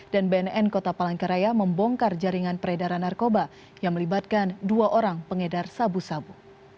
dan bnn kota palangkaraya membongkar jaringan peredaran narkoba yang melibatkan dua orang pengedar sabu sabu